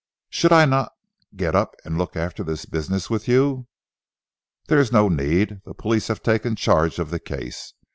"Should I not get up to look after this business with you?" "There is no need. The police have taken charge of the Case.